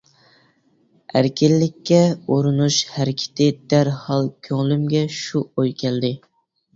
«ئەركىنلىككە ئۇرۇنۇش ھەرىكىتى! » دەرھال كۆڭلۈمگە شۇ ئوي كەلدى.